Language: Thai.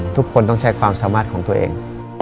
ทุกคนต้องใช้ความสามารถของตัวเอง